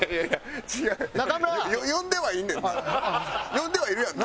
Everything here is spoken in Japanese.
呼んではいるやんな？